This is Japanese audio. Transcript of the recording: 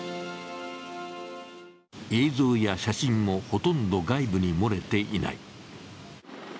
映像や写真もほとんど外部に漏れていない。